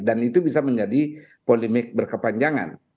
dan itu bisa menjadi polemik berkepanjangan